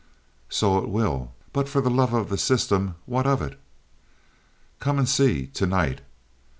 "So it will but for the love of the system, what of it?" "Come and see tonight.